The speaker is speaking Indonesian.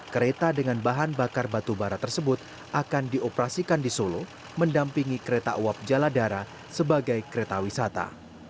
kereta dengan bahan bakar batubara tersebut akan dioperasikan di solo mendampingi kereta uap jaladara sebagai kereta wisata